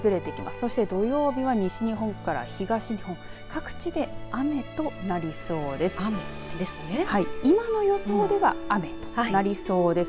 そして土曜日は西日本から東日本各地で雨となりそうです。